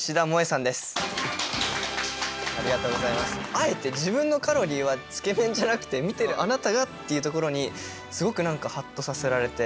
あえて自分のカロリーはつけ麺じゃなくて「見てるあなたが」っていうところにすごく何かハッとさせられて。